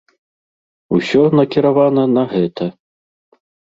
Усё накіравана на гэта.